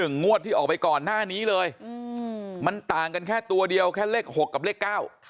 งวดที่ออกไปก่อนหน้านี้เลยอืมมันต่างกันแค่ตัวเดียวแค่เลขหกกับเลขเก้า